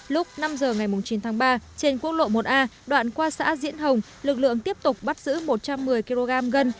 lúc năm giờ ngày chín tháng ba trên quốc lộ một a đoạn qua xã diễn hồng lực lượng tiếp tục bắt giữ một trăm một mươi kg gân